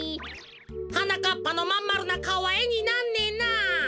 はなかっぱのまんまるなかおはえになんねえな。